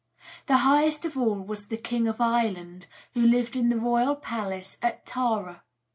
The highest of all was the king of Ireland, who lived in the royal palace at Tara.